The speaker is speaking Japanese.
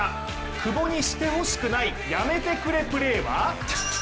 久保にしてほしくないやめてくれプレーは？